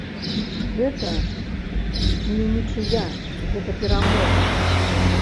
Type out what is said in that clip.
Гэта не нічыя, гэта перамога.